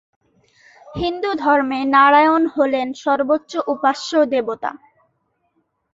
হিন্দুধর্মে নারায়ণ হলেন সর্বোচ্চ উপাস্য দেবতা।